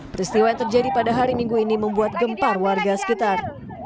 peristiwa yang terjadi pada hari minggu ini membuat gempar warga sekitar